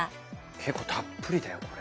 結構たっぷりだよこれ。